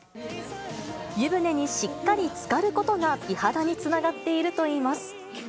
湯船にしっかりつかることが、美肌につながっているといいます。